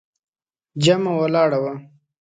جمعه ولاړه وه.